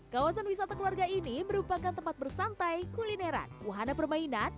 kawasan wisata keluarga ini merupakan tempat bersantai kulineran wahana permainan